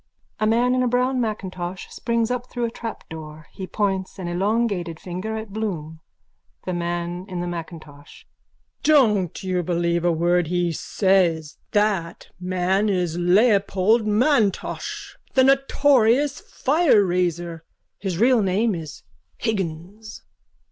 _ (A man in a brown macintosh springs up through a trapdoor. He points an elongated finger at Bloom.) THE MAN IN THE MACINTOSH: Don't you believe a word he says. That man is Leopold M'Intosh, the notorious fireraiser. His real name is Higgins.